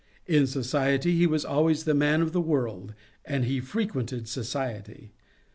In society he was always the man of the world, and he frequented society.